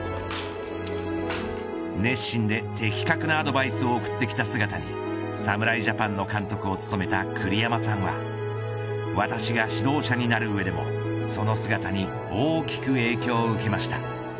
熱心で的確なアドバイスを送ってきた姿に侍ジャパンの監督を務めた栗山さんは私が指導者になる上でもその姿に大きく影響を受けました。